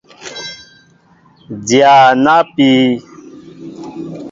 Dya na pii.